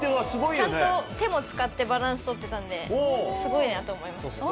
ちゃんと手も使ってバランス取ってたんですごいなと思いました。